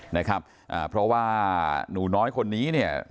นะครับอ่าเพราะว่าหนูน้อยคนนี้เนี่ย